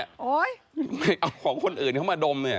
ไม่เอาของคนอื่นเข้ามาดมเนี่ย